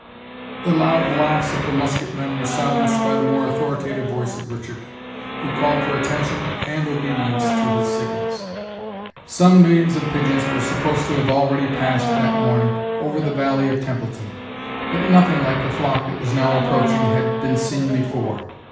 The loud laughs of the musket men were silenced by the more authoritative voice of Richard, who called for attention and obedience to his signals. Some millions of pigeons were supposed to have already passed, that morning, over the valley of Templeton; but nothing like the flock that was now approaching had been seen before.